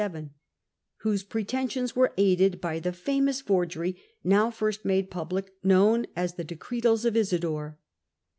(858 867), whose pretensions were aided by the famous forgery, now first made public, known as the Decretals of Isidore.